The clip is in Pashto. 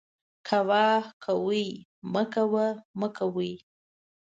کوه ، کوئ ، مکوه ، مکوئ